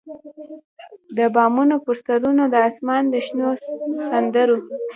د بامونو پر سرونو د اسمان د شنو سندرو،